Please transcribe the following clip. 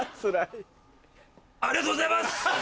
ありがとうございます！